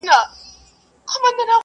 روميانو د مسلمانانو قوت وليد.